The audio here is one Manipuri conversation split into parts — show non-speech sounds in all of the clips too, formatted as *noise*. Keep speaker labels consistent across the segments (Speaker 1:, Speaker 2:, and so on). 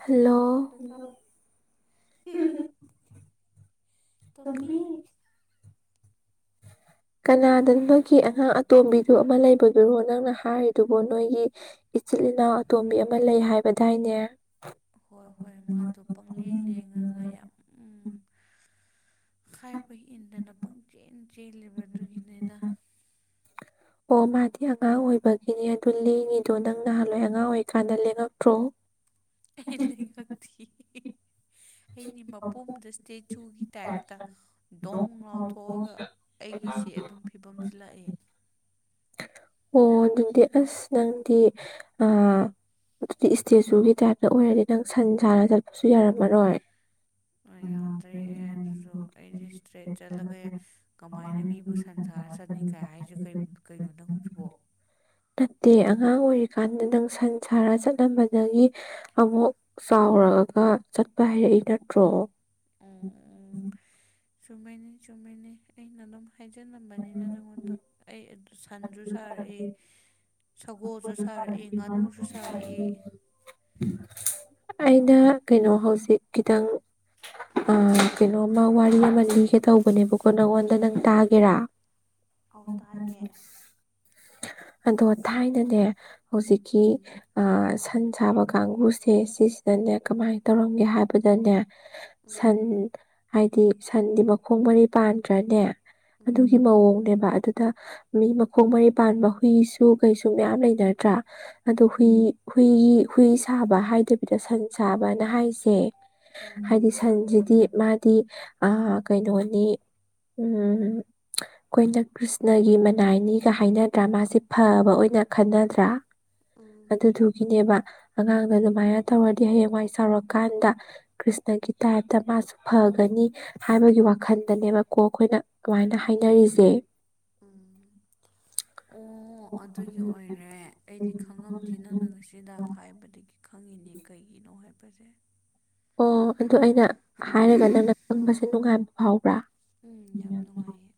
Speaker 1: ꯍꯜꯂꯣ
Speaker 2: ꯍꯜꯂꯣ *unintelligible* ꯇꯣꯝꯕꯤ
Speaker 1: *inaudible* ꯀꯅꯥꯗꯅꯣ ꯅꯣꯏꯒꯤ ꯑꯉꯥꯡ ꯑꯇꯣꯝꯕꯤꯗꯨ ꯑꯃ ꯂꯩꯕꯗꯨꯔꯣ ꯅꯪꯅ ꯍꯥꯏꯔꯤꯗꯨꯕꯣ ꯅꯣꯏꯒꯤ ꯏꯆꯤꯜ ꯏꯅꯥꯎ ꯑꯇꯣꯝꯕꯤ ꯑꯃ ꯂꯩ ꯍꯥꯏꯕꯗꯥꯏꯅꯦ
Speaker 2: ꯍꯣꯏ ꯍꯣꯏ ꯃꯥꯗꯣ ꯄꯪꯂꯦꯡ ꯂꯦꯡꯉꯒ ꯌꯥꯝ ꯈꯥꯏꯕ ꯏꯟꯗꯅ ꯄꯪꯆꯦꯟ ꯆꯦꯜꯂꯤꯕ ꯑꯗꯨꯒꯤꯅꯤꯗ
Speaker 1: *inaudible* ꯑꯣ ꯃꯥꯗꯤ ꯑꯉꯥꯡ ꯑꯣꯏꯕꯒꯤꯅꯦ ꯑꯗꯨ ꯂꯦꯡꯉꯤꯗꯣ ꯅꯪ ꯅꯍꯥꯟꯋꯥꯏ ꯑꯉꯥꯡ ꯑꯣꯏꯔꯤꯀꯥꯟꯗ ꯂꯦꯡꯉꯛꯇ꯭ꯔꯣ *inaudible*
Speaker 2: ꯑꯩ ꯂꯦꯡꯉꯛꯊꯤꯍꯦ ꯑꯩꯗꯤ ꯃꯄꯣꯝꯗ ꯏꯁꯇꯦꯆꯨꯒꯤ ꯇꯥꯏꯞꯇ ꯗꯣꯡ ꯉꯥꯎꯊꯣꯛꯑꯒ ꯑꯩꯒꯤꯁꯦ ꯑꯗꯨꯝ ꯐꯤꯕꯝꯁꯤ ꯂꯥꯛꯑꯦ
Speaker 1: ꯑꯣ ꯑꯗꯨꯗꯤ ꯑꯁ ꯅꯪꯗꯤ ꯑ ꯑꯗꯨꯗꯤ ꯏꯁꯇꯦꯆꯨꯒꯤ ꯇꯥꯏꯞꯇ ꯑꯣꯏꯔꯗꯤ ꯅꯪ ꯁꯟ ꯁꯥꯅ ꯆꯠꯄꯁꯨ ꯌꯥꯔꯝꯃꯔꯣꯏ
Speaker 2: ꯑ ꯌꯥꯗ꯭ꯔꯦ ꯑꯗꯨꯁꯨ ꯑꯩꯗꯤ ꯇ꯭ꯔꯦ ꯆꯠꯂꯒ ꯀꯃꯥꯏꯅ ꯃꯤꯕꯨ ꯁꯟ ꯁꯥꯔꯥ ꯆꯠꯅꯤꯒꯥꯏ ꯍꯥꯏꯁꯦ ꯀꯩ ꯀꯩꯅꯣ ꯅꯪꯖꯤꯕꯣ
Speaker 1: ꯅꯠꯇꯦ ꯑꯉꯥꯡ ꯑꯣꯏꯔꯤꯀꯥꯟꯗ ꯅꯪ ꯁꯟ ꯁꯔ ꯆꯠꯂꯝꯕꯗꯒꯤ ꯑꯃꯨꯛ ꯆꯥꯎꯔꯛꯑꯒ ꯆꯠꯄ ꯍꯩꯔꯛꯏ ꯅꯠꯇ꯭ꯔꯣ
Speaker 2: ꯎꯝ ꯎꯝ ꯆꯨꯝꯃꯦꯅꯦ ꯆꯨꯨꯝꯃꯦꯅꯦ ꯑꯩꯅ ꯑꯗꯨꯝ ꯍꯥꯏꯖꯟꯂꯝꯕꯅꯤꯅ ꯅꯪꯉꯣꯟꯗ ꯑꯩ ꯑꯗꯨ ꯁꯟꯁꯨ ꯁꯥꯔꯛꯑꯦ ꯁꯒꯣꯜꯁꯨ ꯁꯥꯔꯛꯏ ꯉꯥꯅꯨꯁꯨ ꯁꯥꯔꯛꯏ
Speaker 1: ꯑꯩꯅ ꯀꯩꯅꯣ ꯍꯧꯖꯤꯛ ꯀꯤꯗꯪ ꯑ ꯀꯩꯅꯣꯃ ꯋꯥꯔꯤ ꯑꯃ ꯂꯤꯒꯦ ꯇꯧꯕꯅꯦꯕꯀꯣ ꯅꯪꯉꯣꯟꯗ ꯅꯪ ꯇꯒ ꯒꯦꯔꯥ ꯑꯗꯣ ꯊꯥꯏꯅꯅꯦ ꯍꯧꯖꯤꯛꯀꯤ ꯑ ꯁꯟ ꯁꯥꯕ ꯀꯥꯡꯕꯨꯁꯦ ꯁꯤꯁꯤꯗꯅꯦ ꯀꯃꯥꯏꯅ ꯇꯧꯔꯝꯒꯦ ꯍꯥꯏꯕꯗꯅꯦ ꯁꯟ ꯍꯥꯏꯗꯤ ꯁꯟꯗꯤ ꯃꯈꯣꯡ ꯃꯔꯤ ꯄꯥꯟꯗ꯭ꯔꯅꯦ ꯑꯗꯨꯒꯤ ꯃꯑꯣꯡꯅꯦꯕ ꯑꯗꯨ ꯗ ꯃꯤ ꯃꯈꯣꯡ ꯃꯔꯤ ꯄꯥꯟꯕ ꯍꯨꯏꯁꯨ ꯀꯩꯁꯨ ꯃꯌꯥꯝ ꯂꯩꯅꯗ꯭ꯔꯥ ꯑꯗꯨ ꯍꯨꯏ ꯍꯨꯏ ꯍꯨꯏ ꯁꯥꯕ ꯍꯥꯏꯗꯕꯤꯗ ꯁꯟ ꯁꯥꯕꯅ ꯍꯥꯏꯁꯦ ꯍꯥꯏꯗꯤ ꯁꯟꯁꯤꯗꯤ ꯃꯥꯗꯤ ꯑ ꯀꯩꯅꯣꯅꯤ ꯎꯝ ꯑꯩꯈꯣꯏꯅ ꯀ꯭ꯔꯤꯁꯅꯒꯤ ꯃꯅꯥꯏꯅꯤꯒ ꯍꯥꯏꯅꯗ꯭ꯔꯥ ꯃꯥꯁꯦ ꯐꯕ ꯑꯣꯏꯅ ꯈꯟꯅꯗ꯭ꯔꯥ *inaudible*
Speaker 2: ꯎꯝ
Speaker 1: ꯑꯗꯨꯗꯨꯒꯤꯅꯦꯕ ꯑꯉꯥꯡꯗ ꯑꯗꯨꯃꯥꯏꯅ ꯇꯧꯔꯗꯤ ꯍꯌꯦꯡꯋꯥꯏ ꯆꯥꯎꯔꯀꯥꯟꯗ ꯀ꯭ꯔꯤꯁꯅꯒꯤ ꯇꯥꯏꯞꯇ ꯃꯥꯁꯨ ꯐꯒꯅꯤ ꯍꯥꯏꯕꯒꯤ ꯋꯥꯈꯜꯗꯅꯦꯕꯀꯣ ꯑꯩꯈꯣꯏꯅ ꯑꯗꯨꯃꯥꯏꯅ ꯍꯥꯏꯅꯔꯤꯖꯦ
Speaker 2: ꯎꯝ ꯑꯣ ꯑꯗꯨꯒꯤ ꯑꯣꯏꯔꯦ ꯑꯩꯗꯤ ꯈꯪꯉꯝꯗꯦ ꯅꯪꯅ ꯉꯁꯤ ꯗ ꯍꯥꯏꯕꯗꯒꯤ ꯈꯪꯉꯤꯅꯦ ꯀꯩꯒꯤꯅꯣ ꯍꯥꯏꯕꯁꯦ
Speaker 1: ꯑꯣ ꯑꯗꯨ ꯑꯩꯅ ꯍꯥꯏꯔꯒ ꯅꯪꯅ ꯈꯪꯕꯁꯦ ꯅꯨꯡꯉꯥꯏꯕ ꯐꯥꯎꯕ꯭ꯔꯥ꯫
Speaker 2: ꯎꯝ ꯌꯥꯝ ꯅꯨꯡꯉꯥꯏꯌꯦ꯫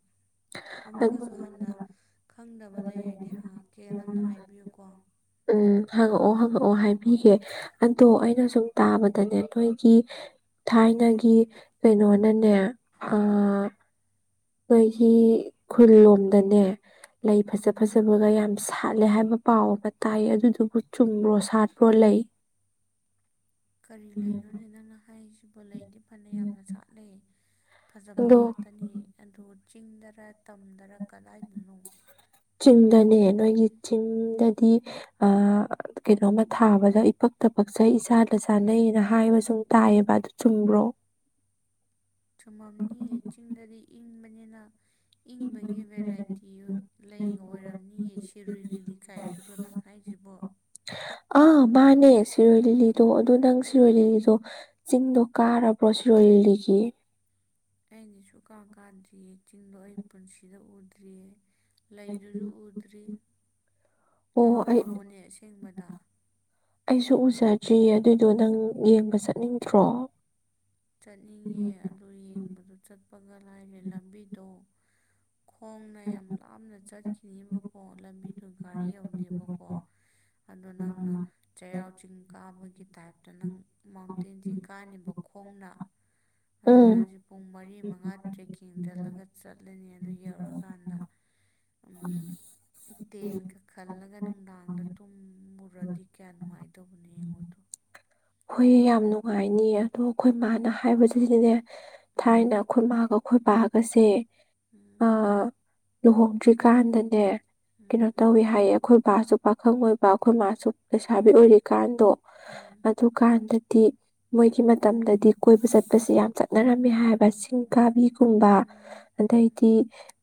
Speaker 2: ꯑꯃꯨꯛꯀꯁꯨ ꯍꯟꯅ ꯈꯪꯗꯕ ꯂꯩꯔꯗꯤ ꯍꯪꯉꯛꯀꯦ ꯅꯪꯅ ꯍꯥꯏꯕꯤꯌꯨꯀꯣ꯫
Speaker 1: ꯎꯝ ꯍꯪꯉꯛꯑꯣ ꯍꯪꯉꯛꯑꯣ ꯍꯥꯏꯕꯤꯒꯦ ꯑꯗꯣ ꯑꯩꯅ ꯁꯨꯝ ꯇꯥꯕꯗꯅꯦ꯫ ꯅꯣꯏꯒꯤ ꯊꯥꯏꯅꯒꯤ ꯀꯩꯅꯣꯅꯅꯦ ꯑ꯫ ꯑꯩꯈꯣꯏꯒꯤ ꯈꯨꯜ ꯂꯣꯝꯗꯅꯦ ꯂꯩ ꯐꯖ ꯐꯖꯕꯒ ꯌꯥꯝ ꯁꯥꯠꯂꯦ ꯍꯥꯏꯕ ꯄꯥꯎ ꯑꯃ ꯇꯥꯏ ꯑꯗꯨꯗꯨꯕꯨ ꯆꯨꯝꯕ꯭ꯔꯣ ꯁꯥꯠꯄ꯭ꯔꯣ ꯂꯩ꯫
Speaker 2: ꯀꯔꯤ ꯂꯩꯅꯣꯅꯦ ꯅꯪꯅ ꯍꯥꯏꯔꯤꯁꯤꯕꯨ ꯂꯩꯗꯤ ꯐꯅ ꯌꯥꯝꯅ ꯁꯥꯠꯂꯦ꯫ ꯐꯖꯕ ꯉꯥꯛꯇꯅꯤ ꯑꯗꯨ ꯆꯤꯡꯗꯔ ꯇꯝꯗꯔ ꯀꯗꯥꯏꯗꯅꯣ꯫
Speaker 1: ꯆꯤꯡꯗꯅꯦ ꯅꯣꯏꯒꯤ ꯆꯤꯡꯗꯗꯤ ꯑ ꯀꯩꯅꯣꯝꯃ ꯊꯥꯕꯗ ꯏꯄꯛꯇ ꯄꯛꯆꯩ ꯏꯆꯥꯗ ꯆꯥꯅꯩꯑꯅ ꯍꯥꯏꯕ ꯁꯨꯝ ꯇꯥꯏꯑꯕ ꯑꯗꯨ ꯆꯨꯝꯕ꯭ꯔꯣ꯫ *inaudible*
Speaker 2: ꯆꯨꯝꯃꯝꯅꯤ ꯆꯤꯡꯗꯗꯤ ꯏꯪꯕꯅꯤꯅ꯫ ꯏꯪꯡꯕꯒꯤ ꯚꯦꯔꯥꯏꯇꯤ ꯂꯩꯒ ꯑꯣꯏꯔꯝꯅꯤꯌꯦ ꯁꯤꯔꯣꯏ ꯂꯤꯂꯤ ꯀꯥꯏꯗꯨꯔꯣ ꯅꯪ ꯍꯥꯏꯁꯤꯕꯣ꯫
Speaker 1: ꯑꯥ ꯃꯥꯅꯦ ꯁꯤꯔꯣꯏ ꯂꯤꯂꯤꯗꯣ ꯑꯗꯨ ꯅꯪ ꯁꯤꯔꯣꯏ ꯂꯤꯂꯤꯗꯣ ꯆꯤꯡꯗꯣ ꯀꯥꯔꯕ꯭ꯔꯣ ꯁꯤꯔꯣꯏ ꯂꯤꯂꯤꯒꯤ꯫
Speaker 2: ꯑꯩꯗꯤ ꯁꯨꯀꯥ ꯀꯥꯗ꯭ꯔꯤꯌꯦ ꯆꯤꯡꯗꯣ ꯑꯩ ꯄꯨꯟꯁꯤꯗ ꯎꯗ꯭ꯔꯤꯌꯦ꯫ ꯂꯩꯗꯨꯁꯨ ꯎꯗ꯭ꯔꯤ ꯅꯪ ꯎꯨꯔꯕꯣꯅꯦ ꯑꯁꯦꯡꯕꯗ꯫
Speaker 1: ꯑꯩꯁꯨ ꯎꯖꯗ꯭ꯔꯤꯌꯦ ꯑꯗꯨꯏꯗꯣ ꯅꯪ ꯌꯦꯡꯕ ꯆꯠꯅꯤꯡꯗ꯭ꯔꯣ꯫
Speaker 2: ꯆꯠꯅꯤꯡꯉꯦ ꯑꯗꯨ ꯌꯦꯡꯕꯗꯨ ꯆꯠꯄꯒ ꯂꯥꯏꯔꯦ ꯂꯝꯕꯤꯗꯣ ꯈꯣꯡꯅ ꯌꯥꯝ ꯂꯥꯞꯅ ꯆꯠꯈꯤꯅꯦꯕꯀꯣ ꯂꯝꯕꯤꯗꯨꯒ ꯒꯥꯔꯤ ꯌꯧꯗꯦꯕꯀꯣ ꯑꯗꯣ ꯅꯪꯅ ꯆꯩꯔꯥꯎ ꯆꯤꯡ ꯀꯥꯕꯒꯤ ꯇꯥꯏꯞꯇ ꯅꯪ ꯃꯥꯎꯟꯇꯦꯟꯁꯦ ꯀꯥꯅꯦꯕꯀꯣ꯫ ꯈꯣꯡꯅ ꯑꯗꯨ ꯅꯪꯁꯤ ꯄꯨꯡ ꯃꯔꯤ ꯃꯉꯥ ꯇ꯭ꯔꯦꯀꯤꯡ ꯆꯠꯂꯒ ꯆꯠꯂꯅꯤ ꯑꯗꯨ ꯌꯧꯔꯀꯥꯟꯗ ꯎꯝ꯫ ꯇꯦꯟꯒ ꯈꯜꯂꯒ ꯅꯨꯡꯗꯥꯡꯗ ꯇꯨꯝ ꯃꯨꯔꯗꯤ ꯀ꯭ꯌꯥ ꯅꯨꯡꯉꯥꯏꯗꯧꯕꯅꯣ ꯌꯦꯡꯉꯣ ꯑꯗꯨ꯫
Speaker 1: ꯍꯣꯏ ꯌꯥꯝ ꯅꯨꯡꯉꯥꯏꯅꯤꯌꯦ ꯑꯗꯣ ꯑꯈꯣꯏ ꯃꯥꯅ ꯍꯥꯏꯕꯁꯤꯗꯤꯅꯦ ꯊꯥꯏꯅ ꯈꯣꯏ ꯃꯥꯒ ꯈꯣꯏ ꯕꯒꯁꯦ ꯑ ꯂꯨꯍꯣꯡꯗ꯭ꯔꯤꯀꯥꯟꯗꯅꯦ ꯀꯩꯅꯣ ꯇꯧꯋꯦ ꯍꯥꯏꯌꯦ ꯑꯈꯣꯏ ꯕꯥꯁꯨ꯫ ꯄꯥꯈꯪ ꯑꯣꯏꯕ ꯑꯈꯣꯏ ꯃꯥꯁꯨ ꯂꯩꯁꯥꯕꯤ ꯑꯣꯏꯔꯤꯀꯥꯟꯗꯣ ꯗꯨꯀꯥꯟꯗꯗꯤ ꯃꯣꯏꯒꯤ ꯃꯇꯝꯗꯗꯤ ꯀꯣꯏꯕ ꯆꯠꯄꯁꯤ ꯌꯥꯝ ꯆꯠꯅꯔꯝꯃꯤ ꯍꯥꯏꯕꯁꯤꯡ ꯀꯥꯕꯤꯒꯨꯝꯕ ꯑꯗꯩꯗꯤ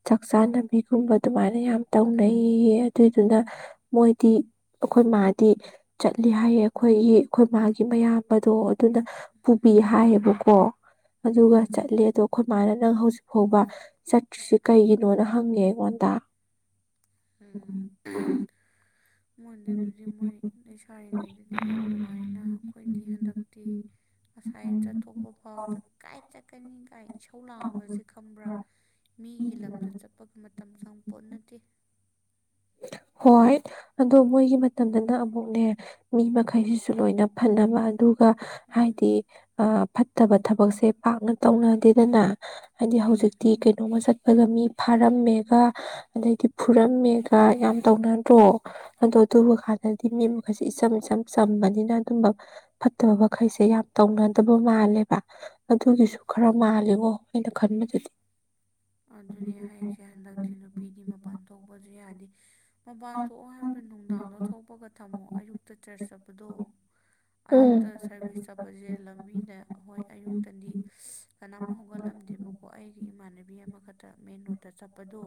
Speaker 1: ꯆꯥꯛꯆꯥꯅꯥꯕꯤꯒꯨꯝꯕ ꯗꯨꯃꯥꯏꯅ ꯌꯥꯝ ꯇꯧꯅꯩꯌꯦ ꯑꯗꯨꯏꯗꯨꯅ ꯃꯣꯏꯗꯤ ꯑꯩꯈꯣꯏ ꯃꯥꯗꯤ ꯆꯠꯂꯤ ꯍꯥꯏꯌꯦ ꯑꯩꯈꯣꯏꯒꯤ ꯈꯣꯏ ꯃꯥꯒꯤ ꯃꯌꯥꯝꯕꯗꯣ ꯑꯗꯨꯅ ꯄꯨꯕꯤ ꯍꯥꯏꯌꯦꯕꯀꯣ ꯑꯗꯨꯒ ꯆꯠꯂꯦ ꯑꯗꯣ ꯑꯈꯣꯏꯃꯥꯏꯅ ꯅꯪ ꯍꯧꯖꯤꯛ ꯐꯥꯎꯕ ꯆꯠꯇ꯭ꯔꯤꯁꯤ ꯀꯩꯒꯤꯅꯣꯅ ꯍꯪꯉꯦ ꯑꯩꯉꯣꯟꯗ꯫ ꯎꯝ꯫
Speaker 2: ꯃꯣꯟꯗꯦ ꯑꯗꯨꯗꯤ ꯃꯣꯏ ꯂꯩꯁꯥꯔꯤꯉꯩꯗꯗꯤ ꯌꯥꯝ ꯅꯨꯡꯉꯥꯏꯅ ꯑꯩꯈꯣꯏꯗꯤ ꯍꯟꯗꯛꯇꯤ ꯉꯁꯥꯏꯟ ꯆꯠꯊꯣꯛꯄ ꯐꯥꯎꯕꯗ ꯀꯥꯏ ꯆꯠꯀꯅꯤ ꯀꯥꯏ ꯏꯁꯧ ꯂꯥꯡꯕꯁꯦ ꯈꯪꯕ꯭ꯔꯥ ꯃꯤꯒꯤ ꯂꯝꯗ ꯆꯠꯄ ꯃꯇꯝ ꯆꯪ ꯄꯣꯠ ꯅꯠꯇꯦ꯫
Speaker 1: ꯍꯣꯏꯠ꯫ ꯑꯗꯣ ꯃꯣꯏꯒꯤ ꯃꯇꯝꯗꯅ ꯑꯃꯨꯛꯅꯦ ꯃꯤ ꯃꯈꯩꯁꯤꯁꯨ ꯂꯣꯏꯅ ꯐꯅꯕ ꯑꯗꯨ ꯒꯥ ꯍꯥꯏꯗꯤ ꯑ ꯐꯠꯇꯕ ꯊꯕꯛꯁꯦ ꯄꯥꯛꯅ ꯇꯧꯅꯗꯦꯗꯅ꯫ ꯍꯥꯏꯗꯤ ꯍꯧꯖꯤꯛꯇꯤ ꯀꯩꯅꯣꯝꯃ ꯆꯠꯄꯒ ꯃꯤ ꯐꯥꯔꯝꯃꯦꯒꯥ ꯑꯗꯩꯗꯤ ꯐꯨꯔꯝꯃꯦ ꯒꯥ ꯌꯥꯝ ꯇꯧꯅꯗ꯭ꯔꯣ꯫ ꯑꯗꯣ ꯑꯗꯨꯕ ꯍꯥꯟꯅꯗꯤ ꯃꯤ ꯃꯈꯩꯁꯤ ꯏꯆꯝ ꯆꯝ ꯆꯝꯕꯅꯤꯅ ꯑꯗꯨꯝꯕ ꯐꯠꯇꯕ ꯃꯈꯩꯁꯦ ꯌꯥꯝ ꯇꯧꯅꯗꯕ ꯃꯥꯜꯂꯦꯕ ꯑꯗꯨꯒꯤꯁꯨ ꯈꯔ ꯃꯥꯜꯂꯦꯉꯣ ꯑꯩꯅ ꯈꯟꯕꯗꯗꯤ
Speaker 2: ꯑꯗꯨꯅꯦ ꯍꯥꯏꯁꯦ ꯍꯟꯗꯛꯇꯤ ꯅꯨꯄꯤꯗꯤ ꯃꯄꯥꯟ ꯊꯣꯛꯄꯁꯨ ꯌꯥꯗꯦ꯫ ꯃꯄꯥꯟ ꯊꯣꯛꯑꯣ ꯍꯥꯏꯕ꯭ꯔ ꯅꯨꯡꯗꯥꯡꯗꯣ ꯊꯣꯛꯄꯒ ꯊꯝꯃꯣ ꯑꯌꯨꯛꯇ ꯆꯔ꯭ꯁ ꯆꯠꯄꯗꯣ ꯑꯌꯨꯛꯇꯥ ꯁ ꯁꯥꯔꯚꯤꯁ ꯆꯠꯄꯁꯦ ꯂꯝꯕꯤꯅꯦ ꯍꯣꯏ ꯑꯌꯨꯛꯇꯗꯤ ꯀꯅꯥꯝ ꯍꯧꯒꯠꯂꯝꯗꯦꯕꯀꯣ ꯑꯩꯒꯤ ꯏꯃꯥꯟꯅꯕ ꯕꯤ ꯑꯃꯈꯠꯇ ꯃꯦꯟ ꯔꯣꯗꯇ ꯆꯠꯄꯗꯣ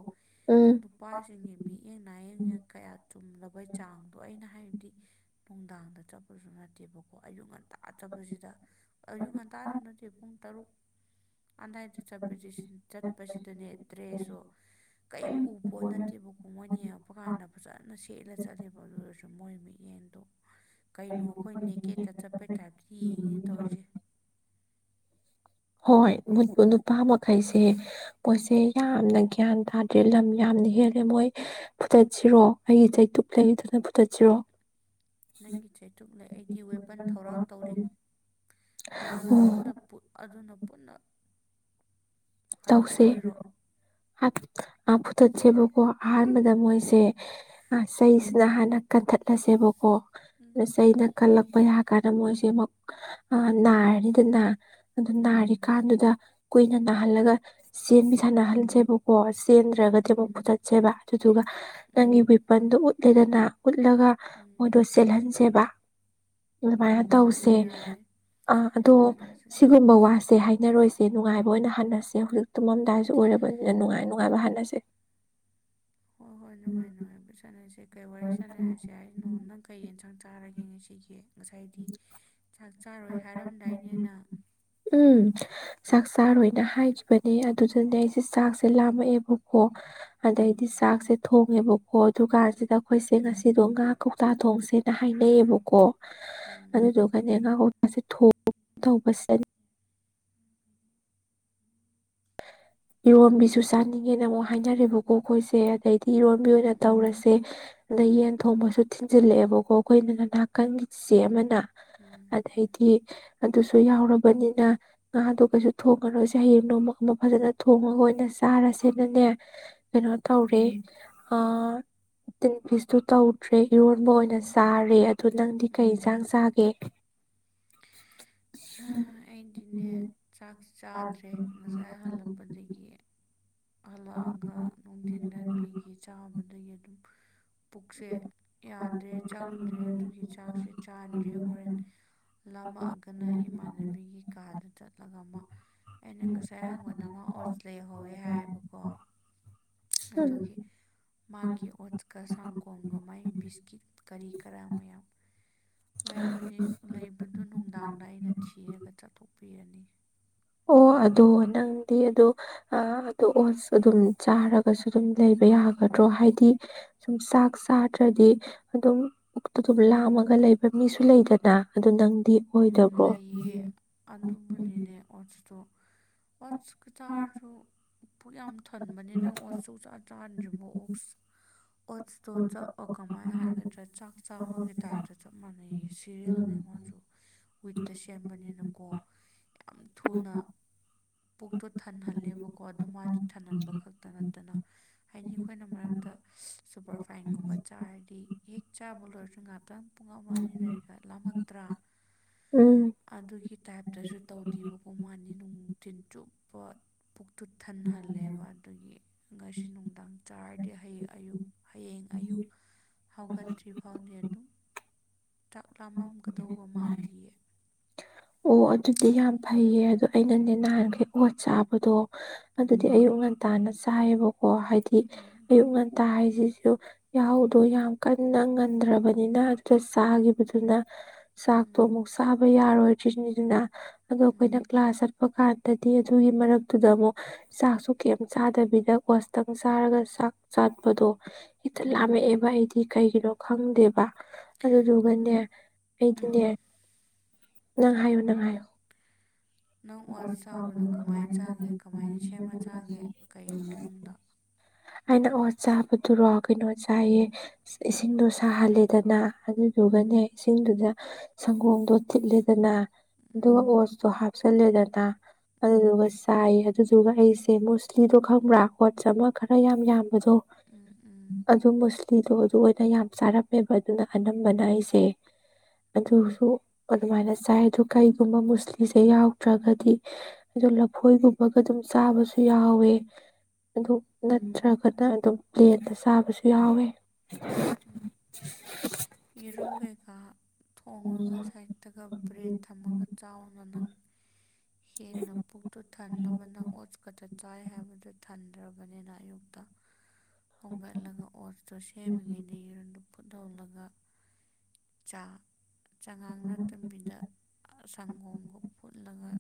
Speaker 2: ꯅꯨꯄꯥꯁꯤꯡꯒꯤ ꯃꯤꯠꯌꯦꯡ ꯅꯥꯌꯦꯡ ꯌꯦꯡ ꯀꯌꯥ ꯆꯨꯝꯗꯕꯩ ꯆꯥꯡꯗꯣ ꯑꯩꯅ ꯍꯥꯏꯗꯤ ꯅꯨꯡꯗꯥꯡꯗ ꯆꯠꯄꯁꯨ ꯅꯠꯇꯦꯕꯀꯣ ꯑꯌꯨꯛ ꯉꯟ ꯇꯥ ꯆꯠꯄꯁꯤꯗ ꯑꯌꯨꯛ ꯉꯟꯇꯥꯁꯨ ꯅꯠꯇꯦ ꯄꯨꯡ ꯇꯔꯨꯛ ꯑꯗꯥꯏꯗ ꯆꯠꯄꯁꯦ ꯆꯠꯄꯁꯤꯗꯅꯦ ꯗ꯭ꯔꯦꯁꯁꯨ ꯀꯩꯝ ꯎꯄꯣꯠ ꯅꯠꯇꯦꯕꯀꯣ ꯃꯣꯏꯅ ꯌꯦꯡꯉꯛꯄ ꯀꯥꯟꯗ ꯐꯖꯅ ꯁꯦꯠꯂ ꯆꯠꯂꯦꯕ ꯑꯗꯨ ꯑꯣꯏꯔꯁꯨ ꯃꯣꯏ ꯃꯤꯠ ꯌꯦꯟꯗꯣ ꯀꯩꯅꯣ ꯑꯈꯣꯏ ꯅꯦꯀꯦꯠꯇ ꯆꯠꯄꯩ ꯇꯥꯏꯞꯇ ꯌꯦꯡꯉꯦꯅꯦ ꯇꯧꯔꯤꯁꯤ꯫
Speaker 1: ꯍꯣꯏ ꯍꯣꯏ *unintelligible* ꯅꯨꯄꯥ ꯃꯈꯩꯁꯦ ꯃꯣꯏꯁꯦ ꯌꯥꯝꯅ ꯒ꯭ꯌꯥꯟ ꯇꯥꯗ꯭ꯔꯦ ꯂꯝ ꯌꯥꯝꯅ ꯍꯦꯜꯂꯦ ꯃꯣꯏ ꯐꯨꯗꯠꯁꯤꯔꯣ ꯑꯩꯒꯤ ꯆꯩ ꯇꯨꯞ ꯂꯩꯔꯤꯗꯨꯅ ꯐꯨꯗꯠꯁꯤꯔꯣ꯫
Speaker 2: ꯅꯪꯒꯤ ꯆꯩꯇꯨꯞ ꯂꯩ ꯑꯩꯗꯤ ꯋꯦꯄꯟ ꯊꯧꯔꯥꯡ ꯇꯧꯔꯤ꯫ ꯑꯗꯨꯅ ꯄꯨꯟꯅ ꯄꯨꯠ ꯑꯗꯨꯅ ꯄꯨꯟꯅ
Speaker 1: ꯇꯧꯁꯦ ꯍꯥꯥꯠ ꯑ ꯐꯨꯗꯠꯁꯦꯕꯀꯣ꯫ ꯑꯍꯥꯟꯕꯗ ꯃꯣꯏꯁꯦ ꯑ ꯆꯩꯁꯤꯅ ꯍꯥꯟꯅ ꯀꯟꯊꯠꯂꯁꯦꯕꯀꯣ ꯆꯩꯩꯅ ꯀꯜꯂꯛꯄ ꯌꯥ ꯀꯥꯟꯗ ꯃꯣꯏꯁꯤ ꯃꯛ ꯑꯥ ꯅꯥꯔꯅꯤꯗꯅ ꯑꯗꯨ ꯅꯥꯔꯤꯀꯥꯟꯗꯨꯗ ꯀꯨꯏꯅ ꯅꯥꯍꯜꯂꯒ ꯆꯦꯟꯕꯤ ꯁꯥꯟꯅꯍꯟꯁꯦꯕ ꯀꯣ ꯆꯦꯟꯗ꯭ꯔꯒꯗꯤ ꯑꯃꯨꯛ ꯄꯨꯨꯗꯠꯁꯦꯕ ꯑꯗꯨꯗꯨꯒ ꯅꯪꯒꯤ ꯋꯤꯄꯟꯗꯨ ꯎꯠꯂꯦꯗꯅ ꯎꯠꯂꯒ ꯃꯣꯏꯗꯣ ꯆꯦꯜꯍꯟꯁꯦꯕ꯫ ꯑꯗꯨꯃꯥꯏꯅ ꯇꯧꯁꯦ ꯑ ꯑꯗꯣ ꯁꯤꯒꯨꯝꯕ ꯋꯥꯁꯦ ꯍꯥꯏꯅꯔꯣꯏ ꯁꯦ ꯅꯨꯡꯉꯥꯏꯕ ꯑꯣꯏꯅ ꯍꯥꯟꯅꯁꯦ ꯍꯧꯖꯤꯛ ꯇꯨꯝꯃꯝꯗꯥꯏꯁꯨ ꯑꯣꯏꯔꯕꯅꯤꯅ ꯅꯨꯡꯉꯥꯏ ꯅꯨꯡꯉꯥꯏꯕ ꯍꯥꯢꯅꯁꯦ
Speaker 2: ꯍꯣꯏ ꯍꯣꯏ ꯅꯨꯡꯉꯥꯏ ꯅꯨꯡꯉꯥꯏꯕ ꯁꯥꯟꯅꯁꯦ ꯀꯩ ꯋꯥꯔꯤ ꯁꯥꯟꯅꯔꯁꯦ ꯍꯥꯏ ꯅꯣ ꯅꯪ ꯀꯩ ꯌꯦꯟꯁꯥꯡ ꯆꯥꯔꯒꯦ ꯉꯁꯤꯒꯤ ꯉꯁꯥꯏꯗꯤ ꯆꯥꯛ
Speaker 1: *inaudible* ꯎꯝ ꯆꯥꯛ ꯆꯥꯔꯣꯏꯅ ꯍꯥꯏꯈꯤꯕꯅꯦ ꯑꯗꯨꯗꯅꯦ ꯑꯩꯁꯦ ꯆꯥꯛꯁꯦ ꯂꯥꯝꯃꯛꯑꯦꯕꯀꯣ ꯑꯗꯩꯗꯤ ꯆꯥꯛꯁꯦ ꯊꯣꯡꯉꯦꯕꯀꯣ ꯑꯗꯨ ꯀꯥꯟꯁꯤꯗ ꯑꯩꯈꯣꯏꯁꯦ ꯉꯁꯤꯗꯣ ꯉꯥꯥ ꯀꯧꯇꯥ ꯊꯣꯡꯁꯦꯅ ꯍꯥꯏꯅꯩꯌꯦꯕꯀꯣ ꯑꯗꯨꯗꯨꯒꯅꯦ ꯉꯥ ꯀꯧ ꯇꯁꯦ *inaudible* ꯇꯧꯕꯁꯤꯗ ꯏꯔꯣꯝꯕꯤꯁꯨ ꯆꯥꯅꯤꯡꯉꯦꯅ ꯑꯃꯨꯛ ꯍꯥꯏꯅꯔꯦꯕꯀꯣ ꯑꯩꯈꯣꯏꯁꯦ ꯑꯗꯩꯗꯤ ꯏꯔꯣꯟꯕꯤ ꯑꯣꯏꯅ ꯇꯧꯔꯁꯦ ꯑꯗ ꯌꯦꯟ ꯊꯣꯡꯕꯁꯨ ꯊꯤꯟꯖꯤꯜꯂꯛꯑꯦꯕꯀꯣ ꯑꯩꯈꯣꯏ ꯅꯅꯥꯀꯟꯒꯤ ꯆꯤꯆꯦ ꯑꯃꯅ ꯑꯗꯩꯗꯤ ꯑꯗꯨꯁꯨ ꯌꯥꯎꯔꯕꯅꯤꯅ ꯉꯥꯗꯣ ꯀꯩꯁꯨ ꯊꯣꯡꯉꯔꯣꯏꯁꯦ ꯍꯌꯦꯡ ꯅꯣꯡꯃꯒꯨꯝꯕ ꯐꯖꯅ ꯊꯣꯡꯉꯒ ꯑꯣꯏꯅ ꯆꯥꯔꯁꯦꯅꯅꯦ ꯀꯩꯅꯣ ꯇꯧꯔꯦ ꯇꯤꯟꯐꯤꯁꯇꯨ ꯇꯧꯗ꯭ꯔꯦ ꯏꯔꯣꯟꯕ ꯑꯣꯏꯅ ꯆꯥꯔꯦ ꯑꯗꯨ ꯅꯪꯗꯤ ꯀꯩ ꯌꯦꯟꯁꯥꯡ ꯆꯥꯒꯦ *unintelligible*
Speaker 2: ꯑꯩꯗꯤꯅꯦ ꯆꯥꯛ ꯆꯥꯗ꯭ꯔꯦ ꯉꯁꯥꯏ ꯍꯜꯂꯛꯄꯗꯒꯤ ꯍꯜꯂꯛꯑꯒ ꯅꯨꯡꯊꯤꯟꯗ ꯃꯦꯒꯤ ꯆꯥꯕꯗꯒꯤ ꯑꯗꯨꯝ ꯄꯨꯛꯁꯦ ꯌꯥꯗ꯭ꯔꯦ ꯆꯪꯗ꯭ꯔꯦ ꯑꯗꯨꯒꯤ ꯆꯥꯛꯁꯦ ꯆꯥꯟꯗ꯭ꯔꯦ ꯍꯣꯔꯦꯟ ꯂꯥꯝꯃꯛꯑꯥꯒꯅ ꯏꯃꯥꯟꯅꯕꯤꯒꯤ ꯀꯥꯗ ꯆꯠꯂꯒ ꯑꯃ ꯑꯩꯅ ꯉꯁꯥꯏ ꯍꯪꯕꯗ ꯃꯥ ꯑꯣꯠꯁ ꯂꯩꯍꯧꯋꯦ ꯍꯥꯏꯌꯦꯕꯀꯣ ꯑꯗꯨꯒꯤ ꯃꯥꯒꯤ ꯑꯣꯠꯁꯀ ꯁꯪꯒꯣꯝꯒ ꯃꯥꯏ ꯕꯤꯁꯀꯤꯠ ꯀꯔꯤ ꯀꯔꯥ ꯃꯌꯥꯝ ꯂꯩꯕꯗꯤ ꯂꯩꯕꯗꯨ ꯅꯨꯡꯗꯥꯡꯗ ꯑꯩꯅ ꯊꯤꯔꯒ ꯆꯥꯊꯣꯛꯄꯤꯔꯅꯤ
Speaker 1: ꯑꯣ ꯑꯗꯣ ꯅꯪꯗꯤ ꯑꯗꯣ ꯑꯥ ꯑꯗꯣ ꯑꯣꯠꯁ ꯑꯗꯨꯝ ꯆꯥꯔꯒꯁꯨ ꯑꯗꯨꯝ ꯂꯩꯕ ꯌꯥꯒꯗ꯭ꯔꯣ ꯍꯥꯏꯗꯤ ꯁꯨꯝ ꯆꯥꯛ ꯆꯥꯗ꯭ꯔꯗꯤ ꯑꯗꯨꯝ *unintelligible* ꯇꯨ ꯑꯗꯨꯝ ꯂꯥꯝꯃꯒ ꯂꯩꯕ ꯃꯤꯁꯨ ꯂꯩꯗꯅ ꯑꯗꯨ ꯅꯪ ꯗꯤ ꯑꯣꯏꯗꯕ꯭ꯔꯣ
Speaker 2: ꯑꯣꯠꯁꯇꯣ ꯑꯣꯠꯁꯒ ꯆꯥꯔꯁꯨ ꯄꯨꯛ ꯌꯥꯝ ꯊꯟꯕꯅꯦꯅ ꯑꯣꯠꯁꯁꯨ ꯆꯥ ꯆꯥꯗ꯭ꯔꯤꯕ꯭ꯔꯣ ꯑꯣꯛꯁ ꯑꯣꯠꯁꯇꯣ ꯆꯞ ꯑꯥ ꯀꯃꯥꯏ ꯍꯥꯏꯒꯗ꯭ꯔꯥ ꯆꯥꯛ ꯆꯥꯕꯒꯤ ꯇꯥꯏꯞꯇ ꯆꯞ ꯃꯥꯟꯅꯩꯍꯦ ꯁꯦꯔꯤꯌꯦꯜꯅꯦ ꯃꯣꯏꯁꯨ ꯋꯤꯠꯇ ꯁꯦꯝꯕꯅꯤꯅꯀꯣ ꯌꯥꯝ ꯊꯨꯅ ꯄꯨꯛꯇꯣ ꯊꯟꯍꯜꯂꯦꯕꯀꯣ ꯑꯗꯣ ꯃꯥꯗꯤ ꯊꯟꯍꯟꯕ ꯈꯛꯇ ꯅꯠꯇꯅ ꯍꯥꯏꯗꯤ ꯑꯩꯈꯣꯏꯅ ꯃꯔꯛꯇ ꯁꯨꯄꯔ ꯐꯥꯏꯟꯒꯨꯝꯕ ꯆꯥꯔꯗꯤ ꯍꯦꯛ ꯆꯥꯕ ꯂꯣꯏꯔꯁꯨ ꯉꯥꯛ ꯇꯪ ꯄꯨꯡ ꯑꯃ ꯑꯅꯤ ꯂꯩꯔꯒ ꯂꯥꯝꯃꯛꯇ꯭ꯔꯥ ꯑꯗꯨꯒꯤ ꯇꯥꯏꯞꯇꯁꯨ ꯇꯧꯗꯦꯕꯀꯣ ꯃꯥꯗꯤ ꯅꯨꯡꯊꯤꯟ ꯆꯨꯞꯄ ꯄꯨꯛꯇꯨ ꯊꯟꯍꯜꯂꯦꯕ ꯇꯨꯒꯤ ꯉꯁꯤ ꯅꯨꯡꯗꯥꯡ ꯆꯥꯔꯗꯤ ꯍꯌꯦꯡ ꯑꯌꯨꯛ ꯍꯌꯦꯡ ꯑꯌꯨꯛ ꯍꯧꯒꯠꯇ꯭ꯔꯤ ꯐꯥꯎꯗꯤ ꯑꯗꯨꯝ ꯆꯥꯛ ꯂꯥꯝꯃꯝꯒꯗꯧꯕ ꯃꯥꯟꯗꯤꯌꯦ
Speaker 1: ꯑꯣ ꯑꯗꯨꯗꯤ ꯌꯥꯝ ꯐꯩꯌꯦ ꯑꯗꯣ ꯑꯩꯅꯅꯦ ꯅꯍꯥꯟꯈꯩ ꯑꯣꯠ ꯆꯥꯕꯗꯣ ꯑꯗꯨꯗꯤ ꯑꯌꯨꯛ ꯉꯟꯇꯥꯅ ꯆꯥꯏꯌꯦꯕꯀꯣ ꯍꯥꯏꯗꯤ ꯑꯌꯨꯛ ꯉꯟꯇꯥ ꯍꯥꯏꯖꯤꯖꯨ ꯌꯥꯍꯧꯗꯣ ꯌꯥꯝ ꯀꯟꯅ ꯉꯟꯗ꯭ꯔꯕꯅꯤꯅ ꯑꯗꯨꯗ ꯆꯥꯈꯤꯕꯗꯨꯅ ꯆꯥꯛꯇꯣ ꯑꯃꯨꯛ ꯆꯥꯕ ꯌꯥꯔꯣꯏꯗ꯭ꯔꯤꯅꯤꯗꯨꯅ ꯑꯗꯣ ꯑꯩꯈꯣꯏꯅ ꯀ꯭ꯂꯥꯁ ꯆꯠꯄ ꯀꯥꯟ ꯗꯗꯤ ꯑꯗꯨꯒꯤ ꯃꯔꯛꯇꯨꯗ ꯑꯃꯨꯛ ꯆꯥꯛꯁꯨ ꯀꯩꯝ ꯆꯥꯗꯕꯤꯗ ꯑꯣꯠꯁꯇꯪ ꯆꯥꯔꯒ ꯆꯥꯛ ꯆꯥꯕꯗꯣ ꯍꯦꯛꯇ ꯂꯥꯝꯃꯛꯑꯦꯕ ꯑꯩꯗꯤ ꯀꯩꯒꯤꯅꯣ ꯈꯪꯗꯦꯕ ꯑꯗꯨꯗꯨꯒꯅꯦ ꯑꯩꯗꯤꯅꯦ ꯅꯪ ꯍꯥꯏꯌꯨ ꯅꯪ ꯍꯥꯏꯌꯨ
Speaker 2: ꯅꯪ ꯑꯣꯠꯁ ꯆꯥꯕꯗꯣ ꯀꯃꯥꯏꯅ ꯆꯥꯒꯦ ꯀꯃꯥꯏꯅ ꯁꯦꯝꯃ ꯆꯥꯒꯦ ꯀꯩ ꯃꯑꯣꯡꯗ
Speaker 1: ꯑꯩꯅ ꯑꯣꯠꯁ ꯆꯥꯕꯗꯨꯔꯣ ꯀꯩꯅꯣ ꯆꯥꯏꯌꯦ ꯏꯁꯤꯡꯗꯣ ꯁꯥꯍꯜꯂꯦꯗꯅ ꯑꯗꯨꯗꯨꯒꯅꯦ ꯏꯁꯤꯡꯗꯨꯗ ꯁꯪꯒꯣꯝꯗꯣ ꯊꯤꯠꯂꯦꯗꯅ ꯑꯗꯨꯒ ꯑꯣꯠꯁꯇꯣ ꯍꯥꯞ ꯆꯜꯂꯦꯗꯅ ꯑꯗꯨꯗꯨꯒ ꯆꯥꯏ ꯑꯗꯨꯗꯨꯒ ꯑꯩꯁꯦ ꯃꯣꯁꯂꯤꯗꯣ ꯈꯪꯕ꯭ꯔꯥ ꯑꯣꯠꯁ ꯑꯃ ꯈꯔ ꯈꯔ ꯌꯥꯝ ꯌꯥꯝꯕꯗꯣ ꯑꯠ ꯗꯨ ꯃꯨꯁꯂꯤꯗꯣ ꯑꯗꯨ ꯑꯣꯏꯅ ꯌꯥꯝ ꯆꯥꯔꯝꯃꯦꯕ ꯑꯗꯨꯅ ꯑꯅꯝꯕꯅ ꯑꯩꯁꯦ ꯑꯗꯨꯁꯨ ꯑꯗꯨꯃꯥꯏꯅ ꯆꯥꯏ ꯑꯗꯨ ꯀꯩꯒꯨꯝꯕ ꯃꯨꯁꯂꯤ ꯁꯦ ꯌꯥꯎꯗ꯭ꯔꯒꯗꯤ ꯑꯗꯣ ꯂꯐꯣꯏꯒꯨꯝꯕꯒ ꯑꯗꯨꯝ ꯆꯥꯕꯁꯨ ꯌꯥꯎꯋꯦ ꯑꯗꯨ ꯅꯠꯇ꯭ꯔꯒꯅ ꯑꯗꯨꯝ ꯄ꯭ꯂꯦꯟꯗ ꯆꯥꯕꯁꯨ ꯌꯥꯎꯋꯦ
Speaker 2: ꯎꯝ
Speaker 1: *inaudible*
Speaker 2: ꯌꯦꯔꯨꯝ ꯀꯩꯀꯥ ꯊꯣꯡꯉꯒ ꯁꯥꯏꯠꯇꯒ ꯕ꯭ꯔꯦꯗ ꯊꯝꯃꯒ ꯆꯥꯎꯑꯣꯅ ꯅꯪ ꯍꯦꯟꯅ ꯄꯨꯛꯇꯣ ꯊꯟꯅꯕ ꯅꯪ ꯑꯣꯠꯁ ꯈꯛꯇ ꯆꯥꯏ ꯍꯥꯏꯕꯗꯣ ꯊꯟꯗ꯭ꯔꯕꯅꯤꯅ ꯑꯌꯨꯛꯇ ꯍꯧꯒꯠꯂꯒ ꯑꯣꯠꯁꯇꯣ ꯁꯦꯝꯃꯤꯉꯩꯗ ꯌꯦꯔꯨꯝꯗꯨ ꯐꯨꯠꯗꯣꯛꯂꯒ ꯆꯥ ꯆꯉꯥꯡ ꯅꯠꯇꯕꯤꯗ ꯑ ꯁꯪꯒꯣꯝꯒ ꯐꯨꯠꯂꯒ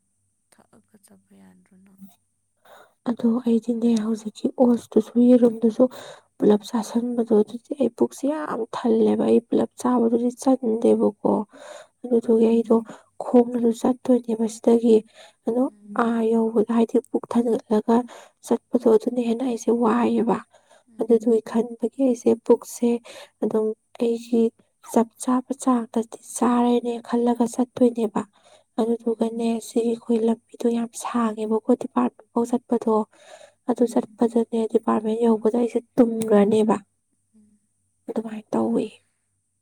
Speaker 2: ꯊꯛꯑꯒ ꯆꯠꯄ ꯌꯥꯗ꯭ꯔꯣ ꯅꯪ
Speaker 1: ꯑꯗꯣ ꯑꯩꯗꯤꯅꯦ ꯍꯧꯖꯤꯛꯀꯤ ꯑꯣꯠꯁꯇꯨꯁꯨ ꯌꯦꯔꯨꯝꯗꯨꯁꯨ ꯄꯨꯂꯞ ꯆꯥꯥꯁꯟꯕꯗꯣ ꯑꯗꯨꯗꯤ ꯑꯩ ꯄꯨꯛꯁꯦ ꯌꯥꯝ ꯊꯜꯂꯦꯕ ꯑꯩ ꯄꯨꯜꯂꯞ ꯆꯥꯕꯗꯨꯗꯤ ꯆꯟꯗꯦꯕꯀꯣ *unintelligible* ꯑꯗꯨꯗꯨꯒꯤ ꯑꯩꯗꯣ ꯈꯣꯡꯅꯁꯨ ꯆꯠꯇꯣꯏꯅꯦꯕ ꯁꯤꯗꯒꯤ ꯑꯗꯣ ꯑꯥ ꯌꯧꯕ ꯍꯥꯏꯗꯤ ꯄꯨꯛ ꯊꯟꯒꯠꯂꯒ ꯆꯠꯄꯗꯣ ꯑꯗꯨꯅ ꯍꯦꯟꯅ ꯑꯩꯁꯦ ꯋꯥꯏꯌꯦꯕ ꯑꯗꯨꯗꯨꯒꯤ ꯈꯟꯕꯒꯤ ꯑꯩꯁꯦ ꯄꯨꯛꯁꯦ ꯑꯗꯨꯝ ꯑꯩꯒꯤ ꯆꯞ ꯆꯥꯕ ꯆꯥꯡꯗꯗꯤ ꯆꯥꯔꯦꯅꯦ ꯈꯜꯂꯒ ꯆꯠꯇꯣꯏꯅꯦꯕ ꯑꯗꯨꯗꯨꯒꯅꯦ ꯁꯤꯒꯤ ꯑꯩꯈꯣꯏ ꯂꯝꯕꯤꯗꯣ ꯌꯥꯝ ꯁꯥꯡꯉꯦꯕꯀꯣ ꯗꯤꯄꯥꯔꯠꯃꯦꯟ ꯐꯥꯎ ꯆꯠꯄꯗꯣ ꯑꯗꯨ ꯆꯠꯄꯗꯅꯦ ꯗꯤꯄꯥꯔꯠꯃꯦꯟ ꯌꯧꯕꯗ ꯑꯩꯁꯦ ꯇꯨꯝꯈ꯭ꯔꯅꯦꯕ ꯑꯗꯨꯃꯥꯏꯅ ꯇꯧꯋꯦ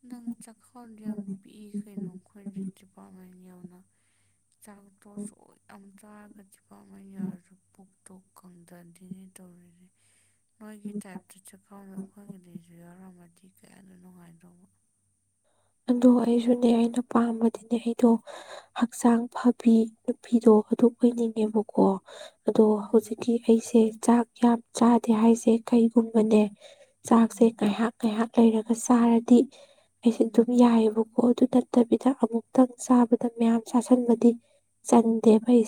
Speaker 2: ꯅꯪ ꯆꯈꯥꯎꯗꯣ ꯌꯥꯝ ꯄꯤꯛꯑꯦ ꯀꯩꯅꯣ ꯑꯩꯈꯣꯏ ꯗꯤꯄꯥꯥꯔꯠꯃꯦꯟ ꯌꯧꯅ ꯆꯥꯛꯇꯣ ꯁꯨꯛ ꯌꯥꯝ ꯆꯥꯔꯒ ꯗꯤꯄꯥꯔꯠꯃꯦꯟ ꯌꯧꯔꯁꯨ ꯄꯨꯛꯇꯣ ꯀꯪꯗꯗꯦꯅꯦ ꯇꯧꯔꯤꯁꯦ ꯅꯣꯏ ꯇꯥꯏꯞꯇ ꯆꯛꯈꯥꯎꯗꯣ ꯑꯩꯈꯣꯏꯒꯤꯗꯁꯨ ꯌꯥꯎꯔꯝꯃꯗꯤ ꯀꯌꯥꯗ ꯅꯨꯡꯉꯥꯏꯗꯧꯕ
Speaker 1: ꯑꯗꯣ ꯑꯩꯁꯨꯅꯦ ꯑꯩꯅ ꯄꯥꯝꯕꯗꯤꯅꯦ ꯑꯩꯗꯣ ꯍꯛꯆꯥꯡ ꯐꯕꯤ ꯅꯨꯄꯤꯗꯣ ꯑꯗꯨ ꯑꯣꯏꯅꯤꯡꯉꯦꯕꯀꯣ ꯑꯗꯣ ꯍꯧꯖꯤꯛꯀꯤ ꯑꯩꯁꯦ ꯆꯥꯛ ꯌꯥꯝ ꯆꯥꯗꯦ ꯍꯥꯏꯁꯦ ꯀꯩꯒꯨꯝꯕꯅꯦ ꯆꯥꯛꯁꯦ ꯉꯥꯏꯍꯥꯛ ꯉꯥꯏꯍꯥꯛ ꯂꯩꯔꯒ ꯆꯥꯔꯗꯤ ꯑꯩꯁꯦ ꯌꯥꯏꯕꯀꯣ ꯑꯗꯨ ꯅꯠꯇꯕꯤꯗ ꯑꯃꯨꯛꯇꯪ ꯆꯥꯕꯗ ꯃꯌꯥꯝ ꯆꯥꯥꯁꯟꯕꯗꯤ ꯆꯟꯗꯦꯕ ꯑꯩꯁꯦ